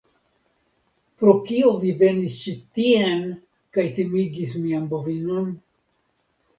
Pro kio vi venis ĉi tien kaj timigis mian bovinon?